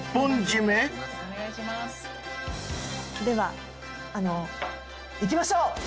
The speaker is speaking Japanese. ではあのういきましょう！